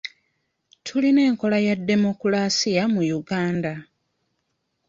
Tulina enkola ya demokulasiya mu Uganda.